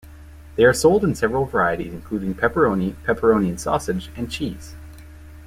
They are sold in several varieties including pepperoni, pepperoni and sausage, and cheese.